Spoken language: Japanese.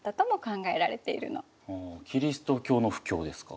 キリスト教の布教ですか。